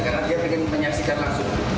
karena dia ingin menyaksikan langsung